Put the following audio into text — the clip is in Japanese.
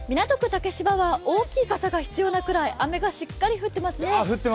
竹芝は大きい傘が必要なくらい雨がしっかり降っていますね。